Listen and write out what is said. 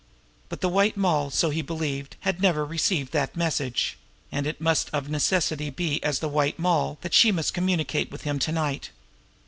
But the White Moll, so he believed, had never received that message and it must of necessity be as the White Moll that she must communicate with him to night!